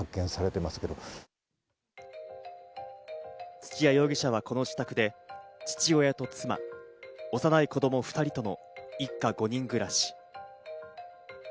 土屋容疑者はこの自宅で父親と妻、幼い子供２人との一家５人暮らし。